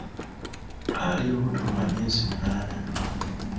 Ali lubuto lwa myezi munaana.